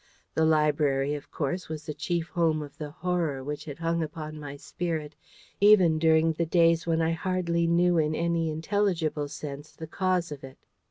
The library, of course, was the chief home of the Horror which had hung upon my spirit even during the days when I hardly knew in any intelligible sense the cause of it.